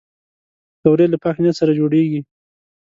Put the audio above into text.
پکورې له پاک نیت سره جوړېږي